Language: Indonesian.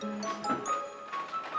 sampai jumpa mpok